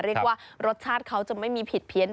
เรียกว่ารสชาติเขาจะไม่มีผิดเพี้ยน